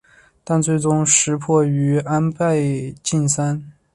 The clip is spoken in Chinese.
但最终石破败于安倍晋三。